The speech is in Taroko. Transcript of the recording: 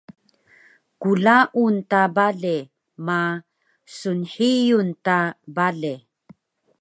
Klaun ta bale ma snhiyun ta bale